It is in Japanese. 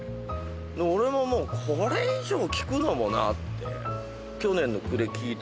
俺ももうこれ以上聞くのもなって。